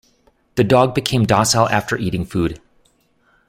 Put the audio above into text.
The dog became docile after eating food.